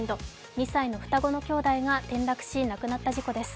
２歳の双子の兄弟が転落し、亡くなった事故です。